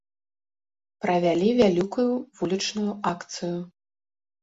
Правялі вялікую вулічную акцыю.